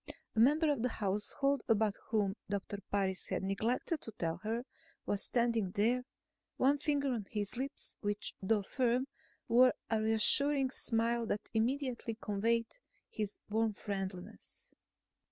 A member of the household about whom Doctor Parris had neglected to tell her was standing there, one finger on his lips which, though firm, wore a reassuring smile that immediately conveyed his warm friendliness.